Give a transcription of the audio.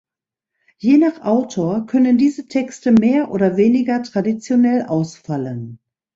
Je nach Autor können diese Texte mehr oder weniger traditionell ausfallen.